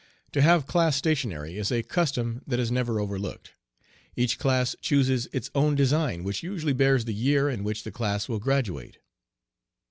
To have class stationary is a custom that is never overlooked. Each class chooses its own design, which usually bears the year in which the class will graduate.